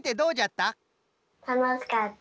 たのしかった。